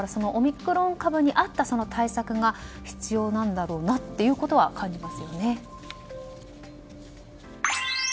オミクロン株に合った対策が必要なんだろうなということは感じますよね。